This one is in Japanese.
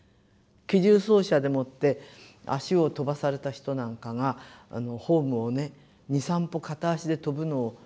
機銃掃射でもって足を飛ばされた人なんかがホームをね２３歩片足で跳ぶのを見たりね。